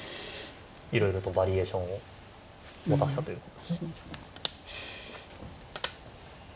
いろいろとバリエーションを持たせたということですね。